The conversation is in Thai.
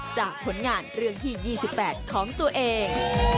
ผลงานเรื่องที่๒๘ของตัวเอง